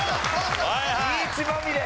リーチまみれ。